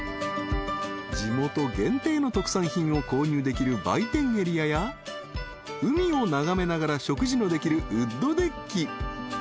［地元限定の特産品を購入できる売店エリアや海を眺めながら食事のできるウッドデッキ］